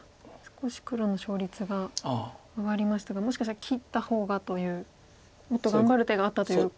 少し黒の勝率が上がりましたがもしかしたら切った方がというもっと頑張る手があったという。